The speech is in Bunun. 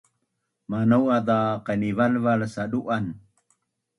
Manau’az za qainivalval sadu’an?